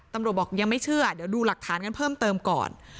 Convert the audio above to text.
บอกยังไม่เชื่อเดี๋ยวดูหลักฐานกันเพิ่มเติมก่อน